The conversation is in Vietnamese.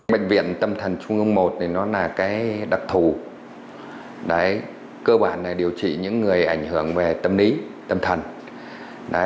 bệnh viện tâm thần trung ương một thì nó là cái đặc thủ cơ bản là điều trị những người ảnh hưởng về tâm lý tâm thần